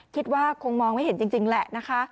คิดว่าคงมองไม่เห็นจริงแหละนะคะ